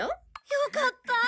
よかった！